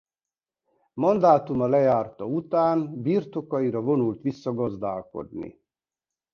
Mandátuma lejárta után birtokaira vonult vissza gazdálkodni.